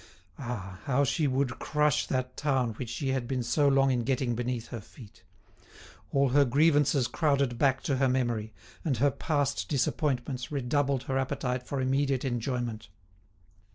Ah! how she would crush that town which she had been so long in getting beneath her feet! All her grievances crowded back to her memory, and her past disappointments redoubled her appetite for immediate enjoyment.